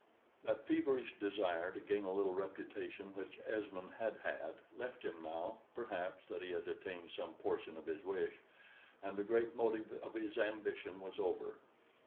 That feverish desire to gain a little reputation which Esmond had had, left him now perhaps that he had attained some portion of his wish, and the great motive of his ambition was over.